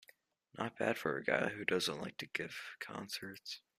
Not bad for a guy who doesn't like to give concerts.